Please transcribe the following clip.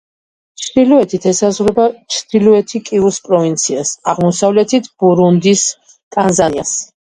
ჩრდილოეთით ესაზღვრება ჩრდილოეთი კივუს პროვინციას, აღმოსავლეთით ბურუნდის, ტანზანიას.